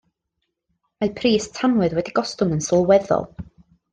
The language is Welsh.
Mae pris tanwydd wedi gostwng yn sylweddol.